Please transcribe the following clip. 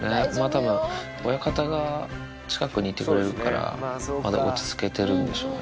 たぶん、親方が近くにいてくれるから、まだ落ち着けてるんでしょうね。